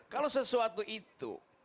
kalau sesuatu itu